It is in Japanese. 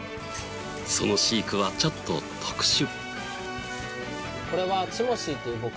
その飼育はちょっと特殊。